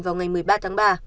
vào ngày một mươi ba tháng ba